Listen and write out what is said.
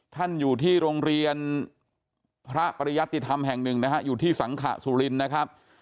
ท่านอยู่ที่โรงเรียนพระปริยัติธรรมแห่งหนึ่งนะฮะอยู่ที่สังขสุรินทร์นะครับ